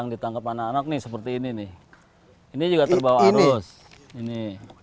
ditangkap anak anak nih seperti ini nih ini juga terbawa arus ini